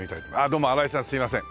どうも荒井さんすいません。